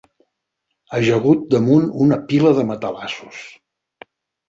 Ajagut damunt una pila de matalassos